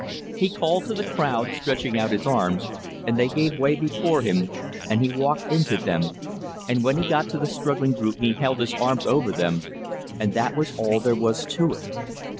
He called to the crowd, stretching out his arms, and they gave way before him, and he walked into them, and when he got to the struggling group he held his arms over them, and that was all there was to it.